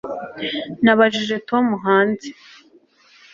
Nabajije Tom hanze